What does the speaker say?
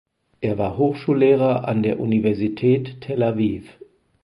Er war Hochschullehrer an der Universität Tel Aviv.